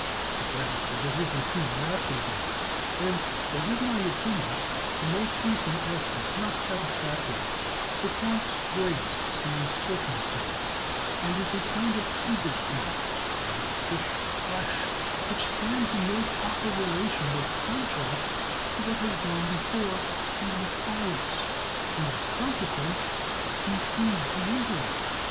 The brass is a little too massive there, and forgive my opinion the motive in F is not satisfactory: it wants grace in a certain sense, and is a kind of hybrid thing, neither fish nor flesh, which stands in no proper relation of contrast to what has gone before and what follows, and in consequence impedes the interest.